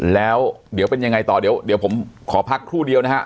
แล้วเดี๋ยวเป็นยังไงต่อเดี๋ยวผมขอพักครู่เดียวนะฮะ